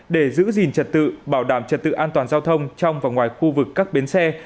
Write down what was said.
để giữ gìn trật tự bảo đảm trật tự an toàn giao thông trong và ngoài khu vực các bến xe